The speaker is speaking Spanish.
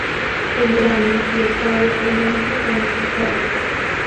El uranio y el torio permanecen con el fosfórico.